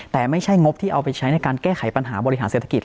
แต่ไม่ใช่งบที่เอาไปใช้ในการแก้ไขปัญหาบริหารเศรษฐกิจ